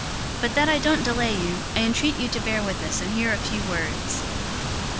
024:004 But, that I don't delay you, I entreat you to bear with us and hear a few words.